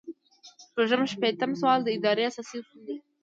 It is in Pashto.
شپږ شپیتم سوال د ادارې اساسي اصول دي.